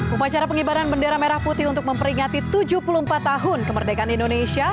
upacara pengibaran bendera merah putih untuk memperingati tujuh puluh empat tahun kemerdekaan indonesia